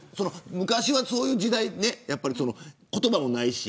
昔は、そういう時代言葉もないし。